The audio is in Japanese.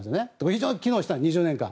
非常に機能した、２０年間。